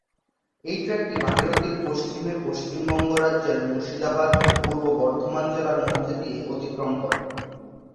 এই ট্র্যাকটি ভাগীরথীর পশ্চিমে পশ্চিমবঙ্গ রাজ্যের মুর্শিদাবাদ ও পূর্ব বর্ধমান জেলার মধ্যে দিয়ে অতিক্রম করে।